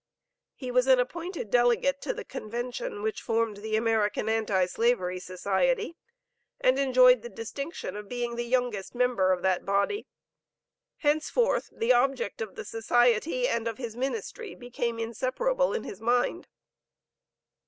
He was an appointed delegate to the Convention which formed the American Anti slavery Society, and enjoyed the distinction of being the youngest member of that body.[A] Henceforth the object of the society, and of his ministry became inseparable in his mind.